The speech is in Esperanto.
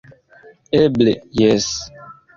Eble, jes!